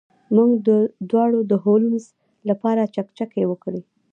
موږ دواړو د هولمز لپاره چکچکې وکړې.